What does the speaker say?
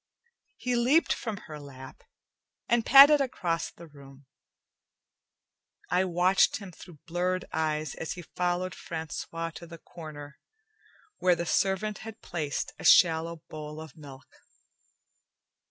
He leaped from her lap and padded across the room. I watched him through blurred eyes as he followed Francois to the corner, where the servant had placed a shallow bowl of milk.